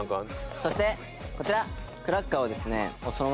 そしてこちら！